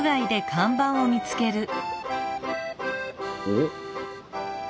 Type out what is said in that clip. おっ！